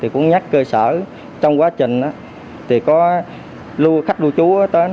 cũng nhắc cơ sở trong quá trình có khách lưu trú tới